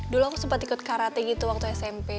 dulu aku sempat ikut karate gitu waktu smp